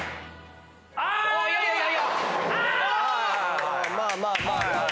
まあまあまあまあ。